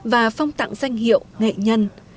và phong tặng danh hiệu nghệ nhân